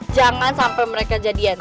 jangan sampai mereka jadian